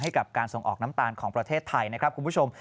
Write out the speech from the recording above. ให้กับการส่งออกน้ำตาลของประเทศไทยนะครับคุณผู้ชม